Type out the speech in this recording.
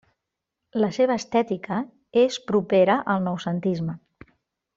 La seva estètica és propera al noucentisme.